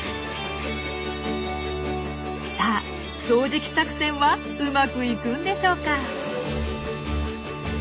さあ掃除機作戦はうまくいくんでしょうか？